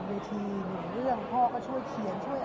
พี่คิดว่าเข้างานทุกครั้งอยู่หรือเปล่า